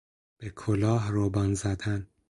به کلاه روبان زدن